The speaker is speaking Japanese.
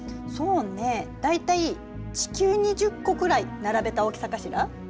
そうね大体地球２０個くらい並べた大きさかしら。